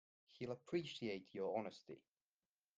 He'll appreciate your honesty.